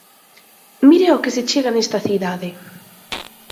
¡Mire ao que se chega nesta cidade!